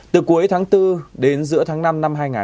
từ cuối tháng bốn đến giữa tháng năm năm hai nghìn một mươi chín